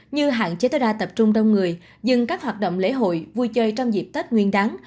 như hạn chế tối đa tập trung đông người dừng các hoạt động lễ hội vui chơi trong dịp tết nguyên đáng